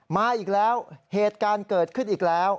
มาอีกแล้วเหตุการณ์เกิดขึ้นอีกแล้ว